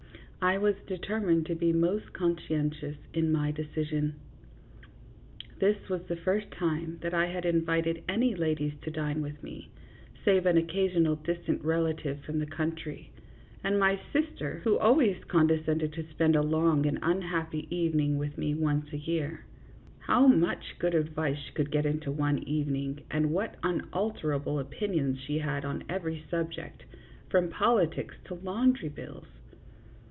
I was determined to be most conscientious in my decision. This was the first time that I had invited any ladies to dine with me, save an occasional distant relative from the country, and my sister, who always condescended to spend a long and unhappy evening THE JUDGMENT OF PARIS REVERSED. 6? with me once a year. How much good advice she could get into one evening, and what unalterable opinions she had on every subject, from politics to laundry bills